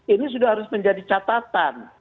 ini sudah harus menjadi catatan